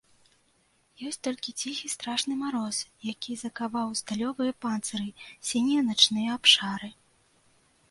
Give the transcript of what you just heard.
Ёсць толькі ціхі страшны мароз, які закаваў у сталёвыя панцыры сінія начныя абшары.